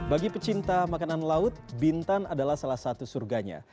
bagi pecinta makanan laut bintan adalah salah satu surganya